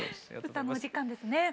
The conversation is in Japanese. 歌のお時間ですね。